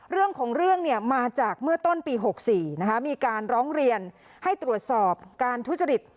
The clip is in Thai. เรื่องของเรื่องมาจากเมื่อต้นปี๖๔มีการร้องเรียนให้ตรวจสอบการทุจริต